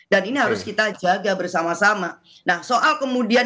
dan ini harus kita jaga bersama sama